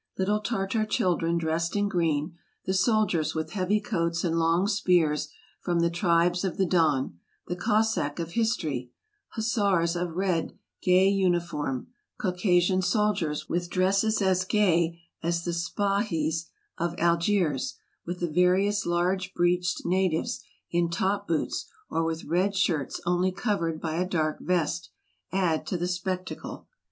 Little Tartar children dressed in green ; the soldiers with heavy coats and long spears, from the tribes of the Don, the Cossack of history; hussars of red, gay uni form ; Caucasian soldiers, with dresses as gay as the Spahis of Algiers — with the various large breeched natives, in top boots, or with red shirts only covered by a dark vest — add to the spectacle.